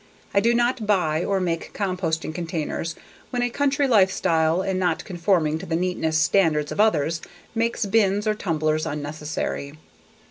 I do not buy or make composting containers when a country life style and not conforming to the neatness standards of others makes bins or tumblers unnecessary.